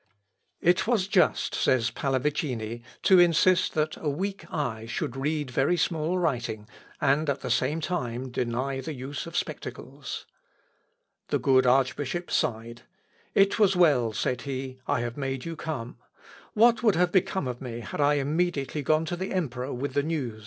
"It was just," says Pallavicini, "to insist that a weak eye should read very small writing, and at the same time deny the use of spectacles." The good archbishop sighed. "It was well," said he, "I made you come. What would have become of me had I immediately gone to the emperor with the news?"